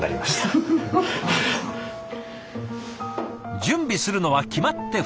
準備するのは決まって２つ。